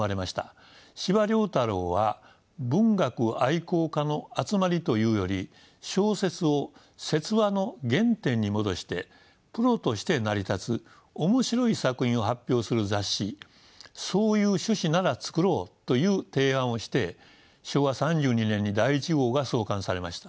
司馬太郎は文学愛好家の集まりというより小説を説話の原点に戻してプロとして成り立つ面白い作品を発表する雑誌そういう趣旨なら創ろうという提案をして昭和３２年に第１号が創刊されました。